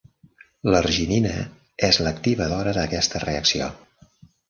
L'arginina és l'activadora d'aquesta reacció.